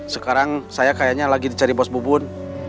sekarang saya kayaknya lagi dicari bos bubun